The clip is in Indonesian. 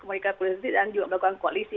mereka koalisi dan juga melakukan koalisi